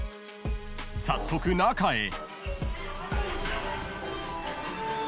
［早速中へ］